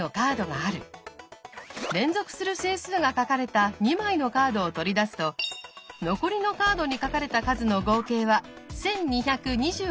連続する整数が書かれた２枚のカードを取り出すと残りのカードに書かれた数の合計は１，２２４になる。